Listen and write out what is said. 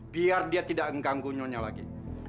biar dia tidak mengganggunya lagi